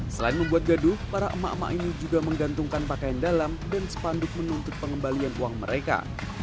selain membuat gaduh para emak emak ini juga menggantungkan pakaian dalam dan sepanduk menuntut pengembalian uang mereka